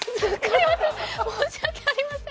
申し訳ありません！